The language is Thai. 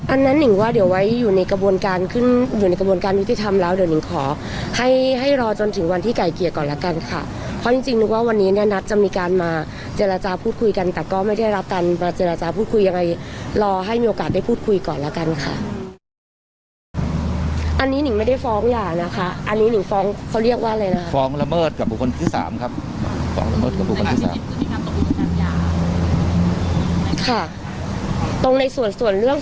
อันนั้นหนึ่งว่าเดี๋ยวไว้อยู่ในกระบวนการขึ้นอยู่ในกระบวนการวิธีธรรมแล้วเดี๋ยวหนึ่งขอให้ให้รอจนถึงวันที่ไก่เกียกก่อนแล้วกันค่ะเพราะจริงจริงนึงว่าวันนี้เนี้ยนัดจะมีการมาเจรจาพูดคุยกันแต่ก็ไม่ได้รับการมาเจรจาพูดคุยยังไงรอให้มีโอกาสได้พูดคุยก่อนแล้วกันค่ะอันนี้หนึ่ง